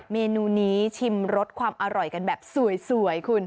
เมนูนี้ชิมรสความอร่อยกันแบบสวยคุณ